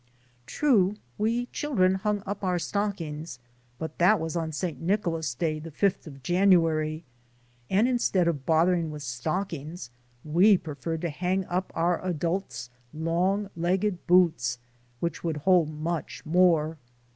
True, we children hung up our stockings, but that was on St. Nicholas Day, the 5th of January, and instead of bothering with stockings, we preferred to hang up our adults' long legged boots, which would hold much more.